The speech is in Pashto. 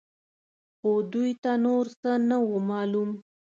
خو دوی ته نور څه نه وو معلوم.